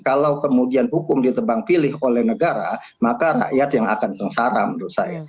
kalau kemudian hukum ditebang pilih oleh negara maka rakyat yang akan sengsara menurut saya